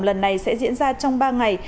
lần này sẽ diễn ra trong ba ngày